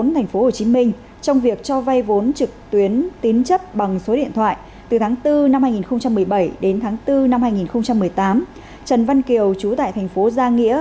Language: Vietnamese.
từ tháng bốn năm hai nghìn một mươi bảy đến tháng bốn năm hai nghìn một mươi tám trần văn kiều chú tại thành phố gia nghĩa